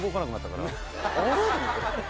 あれ？と思って。